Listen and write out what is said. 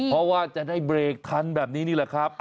เพราะว่าจะได้เบรกทันแบบนี้นี่แหละครับ